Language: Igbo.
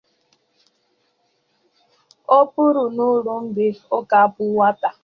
Ọ pụrụ n'ụlọ mgbe ọ ka bụ nwata.